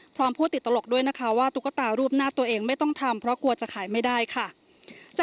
พร้อมพูดติดตลกด้วยนะคะว่าตุ๊กตารูปหน้าตัวเองไม่ต้องทำเพราะกลัวจะขายไม่ได้ค่ะ